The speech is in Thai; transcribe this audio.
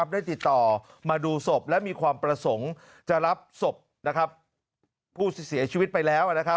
ได้ติดต่อมาดูศพและมีความประสงค์จะรับศพผู้เสียชีวิตไปแล้ว